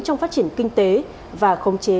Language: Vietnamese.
trong phát triển kinh tế và khống chế